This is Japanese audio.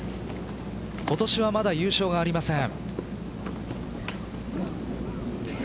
今年はまだ優勝がありません。